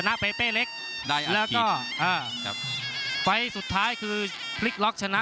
เปเป้เล็กได้แล้วก็อ่าครับไฟล์สุดท้ายคือพลิกล็อกชนะ